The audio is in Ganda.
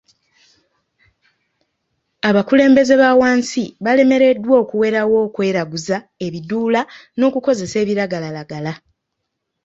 Abakulembeze ba wansi balemereddwa okuwerawo okweraguza, ebiduula, n'okukozesa ebiragalalagala.